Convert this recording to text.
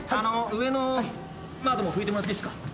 上の窓も拭いてもらっていいっすか？